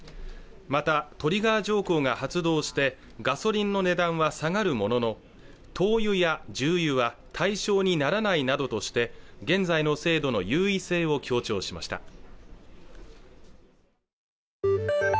またトリガー条項が発動してガソリンの値段は下がるものの灯油や重油は対象にならないなどとして現在の制度の優位性を強調しました